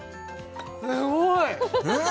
すごい！